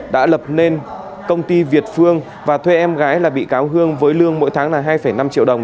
đã lập nên công ty việt phương và thuê em gái là bị cáo hương với lương mỗi tháng là hai năm triệu đồng